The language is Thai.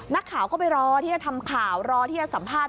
นักข่าวก็ไปรอที่จะทำข่าวรอที่จะสัมภาษณ